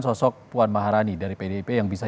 sosok puan maharani dari pdip yang bisa